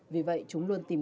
vì vậy chúng luôn tìm ra